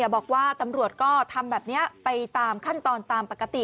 บอกว่าตำรวจก็ทำแบบนี้ไปตามขั้นตอนตามปกติ